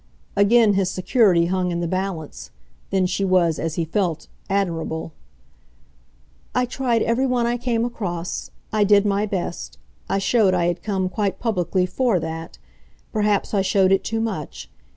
Again his security hung in the balance then she was, as he felt, admirable. "I tried everyone I came across. I did my best. I showed I had come, quite publicly, FOR that. Perhaps I showed it too much.